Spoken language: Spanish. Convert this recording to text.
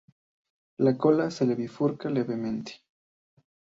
La cola se le bifurca levemente.